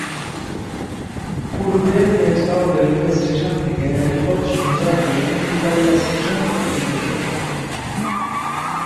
পূর্বে Tejgaon railway station থেকে রেলপথ সোজা গিয়ে ফুলবাড়িয়া স্টেশন পর্যন্ত যেতো।